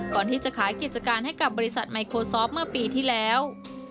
ก่อนที่จะขายกิจการให้กับบริษัทไมโครซอฟต์เมื่อปีที่แล้ว